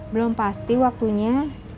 belum pasti waktunya